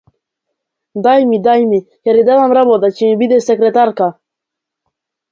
Дај ми, дај ми, ќе ти дадам работа, ќе ми бидеш секретарка!